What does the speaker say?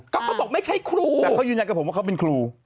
ก็เขาบอกไม่ใช่ครูแต่เขายืนยันกับผมว่าเขาเป็นครู